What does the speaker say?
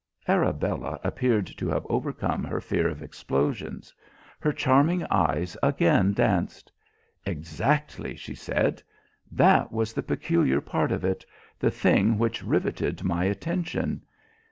Arabella appeared to have overcome her fear of explosions. Her charming eyes again danced. "Exactly," she said. "That was the peculiar part of it, the thing which riveted my attention.